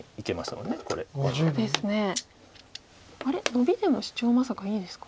ノビでもシチョウまさかいいですか？